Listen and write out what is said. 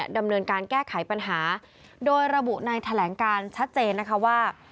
ดำเนินการแก้ไขปัญหาโดยระบุในแถลงการชัดเจนนะคะว่า